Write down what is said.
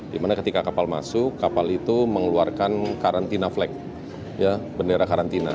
dimana ketika kapal masuk kapal itu mengeluarkan karantina flag bendera karantina